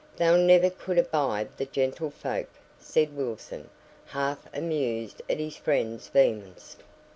'" "Thou never could abide the gentlefolk," said Wilson, half amused at his friend's vehemence.